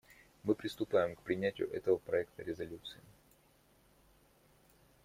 Мы приступаем к принятию этого проекта резолюции.